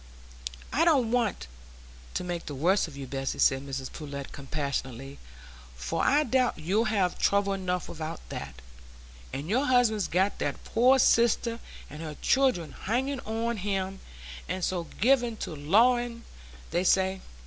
"I don't want to make the worst of you, Bessy," said Mrs Pullet, compassionately, "for I doubt you'll have trouble enough without that; and your husband's got that poor sister and her children hanging on him,—and so given to lawing, they say.